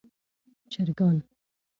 چرګان